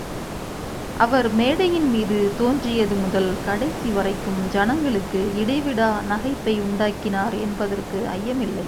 அவர் மேடையின் மீது தோன்றியது முதல் கடைசி வரைக்கும் ஜனங்களுக்கு இடைவிடா நகைப்பையுண்டாக்கினார் என்பதற்கு ஐயமில்லை.